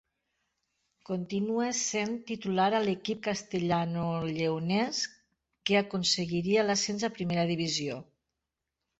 Continua sent titular a l'equip castellanolleonès, que aconseguiria l'ascens a primera divisió.